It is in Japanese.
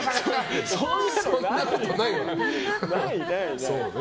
そんなことない、ない。